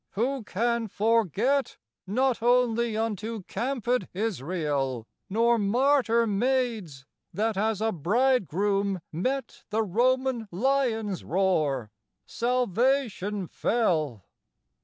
who can forget Not only unto campèd Israel, Nor martyr maids that as a bridegroom met The Roman lion's roar, salvation fell?